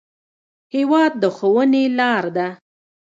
هېواد د ښوونې لار ده.